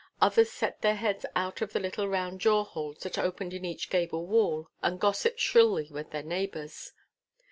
Others set their heads out of the little round 'jaw holes' that opened in each gable wall, and gossiped shrilly with their neighbours.